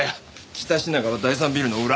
北品川第三ビルの裏。